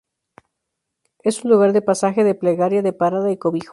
Es un lugar de pasaje, de plegaria, de parada y cobijo.